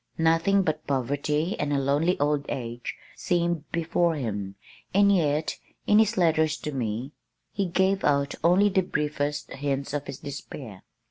Nothing but poverty and a lonely old age seemed before him, and yet, in his letters to me, he gave out only the briefest hints of his despair.